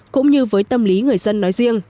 cũng như với tâm lý người dân nói riêng